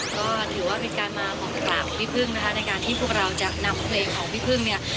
ก็ถือว่าเป็นการมาบอกกล่าวพี่พึ่งนะคะในการที่พวกเราจะนำเพลงของพี่พึ่งเนี่ย